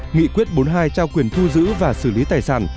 nghị quyết bốn mươi hai trao quyền thu giữ và xử lý tài sản